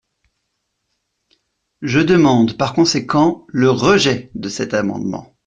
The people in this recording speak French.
Je demande par conséquent le rejet de cet amendement.